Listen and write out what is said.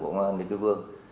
bộ công an liên quyết vương